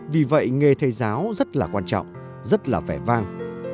vì vậy nghề thầy giáo rất là quan trọng rất là vẻ vang